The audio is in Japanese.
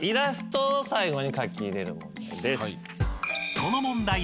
［この問題は］